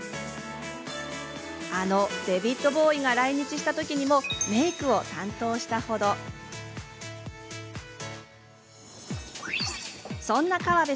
あのデヴィッド・ボウイが来日したときにもメイクを担当したほどです。